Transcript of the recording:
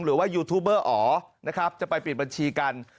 หรือว่ายูทูบเบอร์อ๋อนะครับจะไปปิดบัญชีกัน